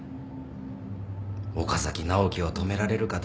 岡崎直樹を止められるかどうか。